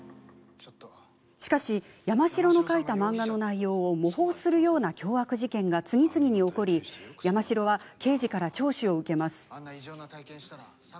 しかし、山城の描いた漫画の内容を模倣するような凶悪事件が次々に起こり山城は刑事から聴取を受けます。